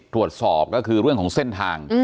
ตรวจสอบก็คือเรื่องของเส้นทาง